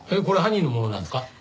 これ犯人のものなんですか？